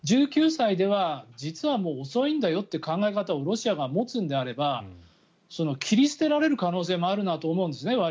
１９歳では実はもう遅いんだよって考え方をロシアが持つのであれば切り捨てられる可能性もあるなと思うんですね。